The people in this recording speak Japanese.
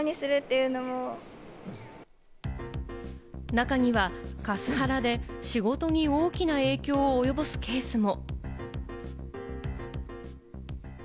中にはカスハラで仕事に大きな影響を及ぼすケースも。